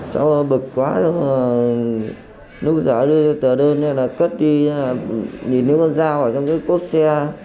xong rồi bực quá lúc đó đưa tờ đơn cất đi nhìn thấy con dao ở trong cái cốt xe